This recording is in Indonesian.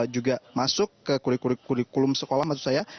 juga masuk ke kurikulum sekolah maksud saya